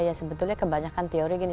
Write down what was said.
ya sebetulnya kebanyakan teori gini